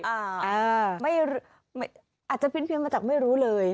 อ่าไม่รู้อาจจะพิ้นเพียงมาจากไม่รู้เลย